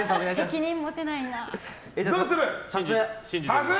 責任持てないな。